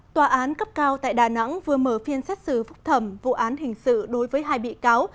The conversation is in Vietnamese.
tòa án cấp cao tại đà nẵng vừa mở phiên xét xử phúc thẩm vụ án hình sự đối với hai bị cáo